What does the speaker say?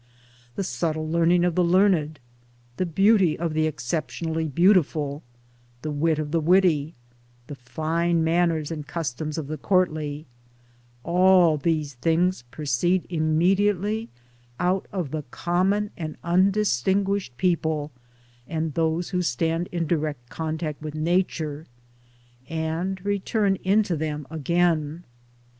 The subtle learning of the learned, the beauty of the exceptionally beautiful, the wit of the witty, the fine manners and customs of the courtly — all these things proceed imme diately out of the common and undistinguished people and those who stand in direct contact with Nature, and return into them again.